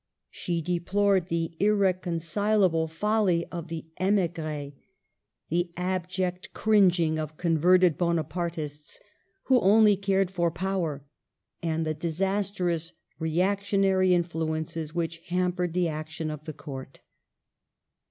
She deplored the irreconcilable folly of the emigre's ; the abject Digitized by VjOOQLC ENGLAND AGAIN 1 89 cringing of converted Bonapartists, who only cared for power ; and the disastrous reactionary influences which hampered the action of the Court.